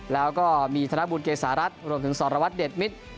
แล้วก็มีธนบุญเกษารัฐรวมถึงสรวัตรเดชมิตร